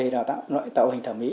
đào tạo hình thẩm mỹ